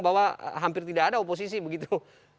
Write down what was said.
bahwa hampir tidak ada oposisi begitu